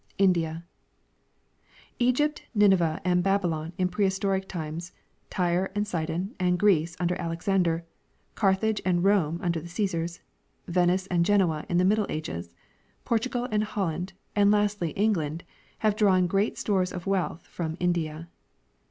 India. Egypt, Nineveh and Babylon in prehistoric times, Tja^e and Sidon and Greece under Alexander, Carthage and Rome under the Csesars, Venice and Genoa in the middle ages, Portugal and Holland, and lastly England, have clraAvn great stores of wealth from India.